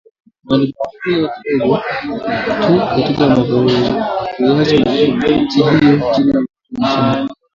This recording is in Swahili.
na limeongezeka kidogo tu katika mwaka huo, na kuiacha nchi hiyo chini ya mapato ya chini